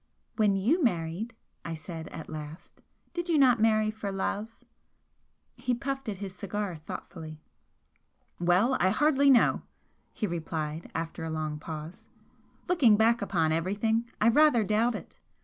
"When you married," I said, at last "did you not marry for love?" He puffed at his cigar thoughtfully. "Well, I hardly know," he replied, after a long pause, "Looking back upon everything, I rather doubt it!